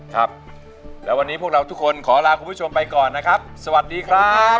ครับแล้ววันนี้พวกเราทุกคนขอลาคุณผู้ชมไปก่อนนะครับสวัสดีครับ